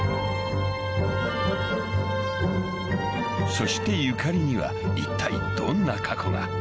［そしてゆかりにはいったいどんな過去が］